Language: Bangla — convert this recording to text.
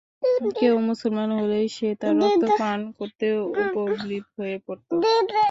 কেউ মুসলমান হলেই সে তার রক্ত পান করতে উদগ্রীব হয়ে পড়ত।